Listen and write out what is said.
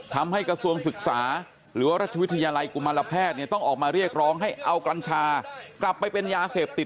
กระทรวงศึกษาหรือว่ารัชวิทยาลัยกุมารแพทย์เนี่ยต้องออกมาเรียกร้องให้เอากัญชากลับไปเป็นยาเสพติด